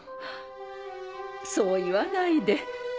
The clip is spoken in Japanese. そう言わないで。